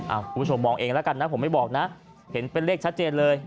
คุณผู้ชมมองเองแล้วกันนะผมไม่บอกนะเห็นเป็นเลขชัดเจนเลย